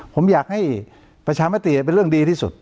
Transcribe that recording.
ผมอยากให้ประชามติเป็นเรื่องดีที่สุด